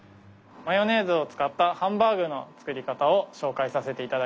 マヨネーズを使ったハンバーグの作り方を紹介させて頂きます。